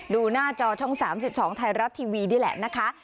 ดูหน้าจอช่อง๓๒ไทยรัฐทีวีนี่แหละนะคะ